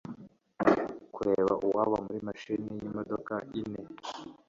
kureba uwaba muri mashini yimodoka ine